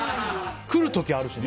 来る時あるしね。